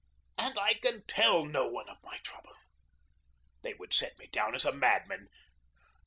And I can tell no one of my trouble. They would set me down as a madman.